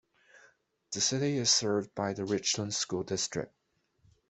The city is served by the Richland School District.